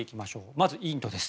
まずインドです。